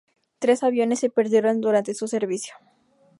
Tres aviones se perdieron durante su servicio.